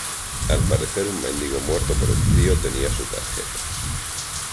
Al parecer un mendigo muerto por el frío tenía su tarjeta.